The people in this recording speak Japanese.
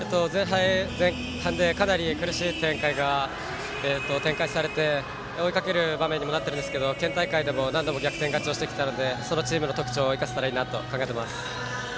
前半はかなり苦しく展開されて追いかける場面にもなってるんですが、県大会でも何度も逆転してきたのでそのチームの特徴を生かせたらいいなと思います。